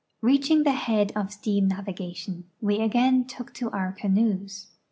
Reaching the head of steam navigation, we again took to bur canoes.